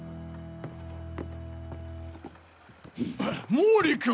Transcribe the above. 毛利君！！